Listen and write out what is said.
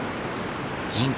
人口